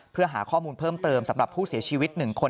เพื่อหาข้อมูลเพิ่มเติมสำหรับผู้เสียชีวิต๑คน